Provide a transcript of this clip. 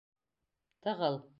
Тығыл!